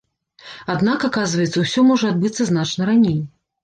Аднак, аказваецца, усё можа адбыцца значна раней.